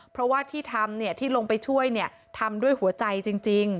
เพราะว่าที่ทำที่ลงไปช่วยทำด้วยหัวใจจริง